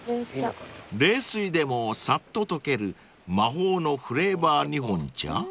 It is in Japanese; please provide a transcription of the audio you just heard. ［冷水でもさっと溶ける魔法のフレーバー日本茶？］